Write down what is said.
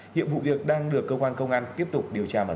hiệp vụ việc đang được công an tiếp tục điều tra và dọn